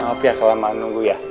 maaf ya kelamaan nunggu ya